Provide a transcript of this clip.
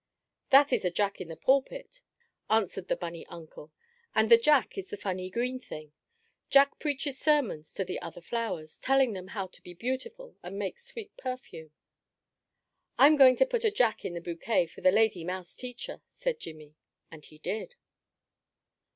"That is a Jack in the pulpit," answered the bunny uncle, "and the Jack is the funny green thing. Jack preaches sermons to the other flowers, telling them how to be beautiful and make sweet perfume." "I'm going to put a Jack in the bouquet for the lady mouse teacher," said Jimmie, and he did.